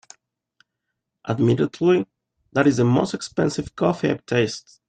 Admittedly, that is the most expensive coffee I’ve tasted.